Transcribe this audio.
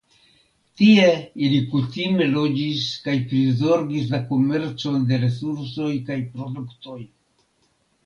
Tie ili kutime loĝis kaj prizorgis la komercon de resursoj kaj produktoj.